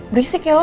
berisik ya lo